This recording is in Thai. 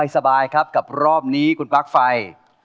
สบายครับกับรอบนี้คุณปลั๊กไฟ